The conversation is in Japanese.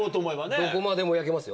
どこまでも焼けますよ。